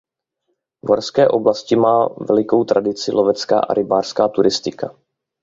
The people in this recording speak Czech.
V horské oblasti má velikou tradici lovecká a rybářská turistika.